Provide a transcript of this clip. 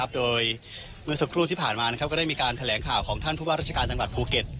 โดยเมื่อสักครู่ที่ผ่านมาก็ได้มีการแถลงข่าวของท่านผู้ว่าราชการจังหวัดภูเก็ต